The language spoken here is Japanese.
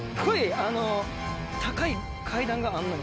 あの高い階段があんのよ。